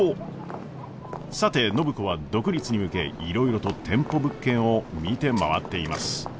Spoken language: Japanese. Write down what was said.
さて暢子は独立に向けいろいろと店舗物件を見て回っています。